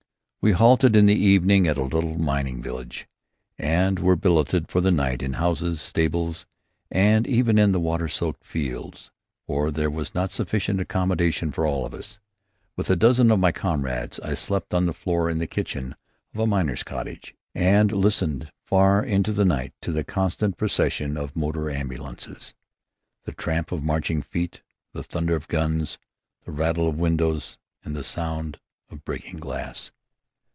We halted in the evening at a little mining village, and were billeted for the night in houses, stables, and even in the water soaked fields, for there was not sufficient accommodation for all of us. With a dozen of my comrades I slept on the floor in the kitchen of a miner's cottage, and listened, far into the night, to the constant procession of motor ambulances, the tramp of marching feet, the thunder of guns, the rattle of windows, and the sound of breaking glass.